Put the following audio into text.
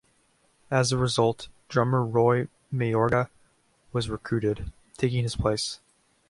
As a result, drummer Roy Mayorga was recruited, taking his place.